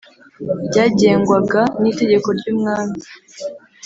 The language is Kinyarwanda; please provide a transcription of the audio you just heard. byagengwaga n’itegeko ry’umwami